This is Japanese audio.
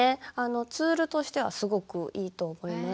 ツールとしてはすごくいいと思います。